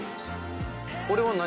これは何？